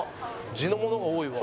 地の物が多いわ。